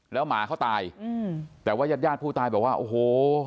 แล้วหมาเขาตายอืมแต่ว่ายาดผู้ตายบอกว่าโอ้โห